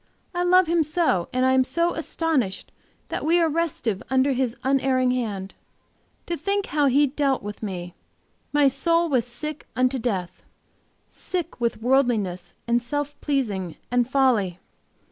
I love Him so! And I am so astonished that we are restive under His unerring hand! Think how He dealt with me. My soul was sick unto death, sick with worldliness, and self pleasing and folly.